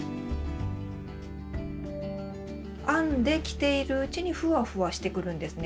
編んで着ているうちにふわふわしてくるんですね。